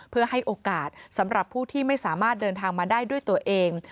เพื่อให้โอกาสสำหรับผู้ที่ไม่สามารถเดินทางมาได้ด้วยตัวเอง